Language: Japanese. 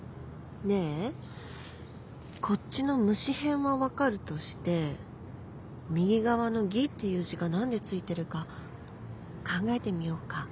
ねえこっちの虫へんは分かるとして右側の「義」っていう字が何でついてるか考えてみようか